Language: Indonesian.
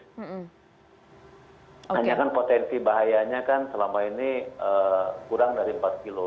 hanya kan potensi bahayanya kan selama ini kurang dari empat kilo